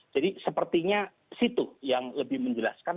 jadi sepertinya situ yang lebih menjelaskan